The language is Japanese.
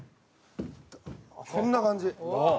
こんな感じ。